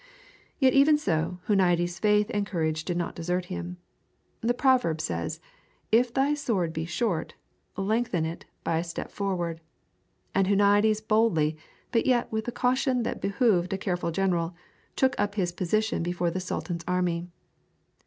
Yet even so Huniades' faith and courage did not desert him. The proverb says: "If thy sword be short, lengthen it by a step forward." And Huniades boldly, but yet with the caution that behoved a careful general, took up his position before the Sultan's army.